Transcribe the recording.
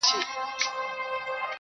قربانو زه له پيغورو بېرېږم.